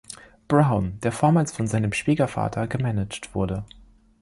Brown, der vormals von seinem Schwiegervater gemanagt wurde.